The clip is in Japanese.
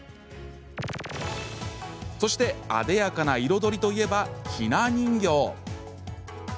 そして、あでやかな彩りといえばひな人形。